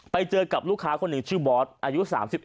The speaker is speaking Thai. ไปเจอกับลูกค้าคนหนึ่งชื่อบอสอายุ๓๑